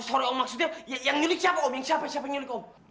sorry om maksudnya yang nyulik siapa om